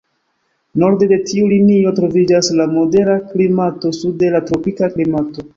Norde de tiu linio troviĝas la modera klimato, sude la tropika klimato.